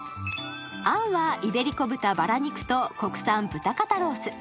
あんはイベリコ豚バラ肉と国産豚肩ロース。